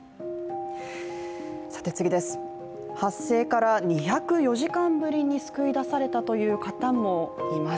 発生から２０４時間ぶりに救い出されたという方もいます。